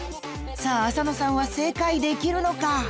［さあ浅野さんは正解できるのか？］